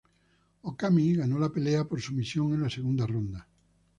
Okami ganó la pelea por sumisión en la segunda ronda.